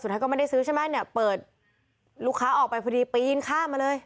สุดท้ายก็ไม่ได้ซื้อใช่ไหมเนี่ยเปิดลูกค้าออกไปพอดีปีนข้ามมาเลย